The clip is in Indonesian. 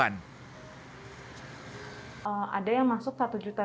ada yang masuk tapi tidak ada yang masuk ke rekening korban